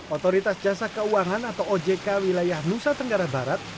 otoritas jasa keuangan atau ojk wilayah nusa tenggara barat